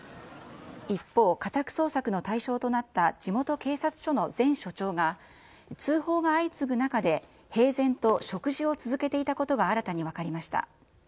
一方、家宅捜索の対象となった地元警察署の前署長が、通報が相次ぐ中で、平然と食事を続けていたことが新たに分かりました。